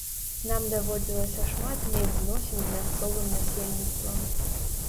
Нам даводзілася шмат мець зносін з мясцовым насельніцтвам.